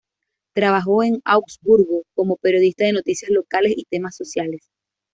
Trabajó en Augsburgo como periodista de noticias locales y temas sociales.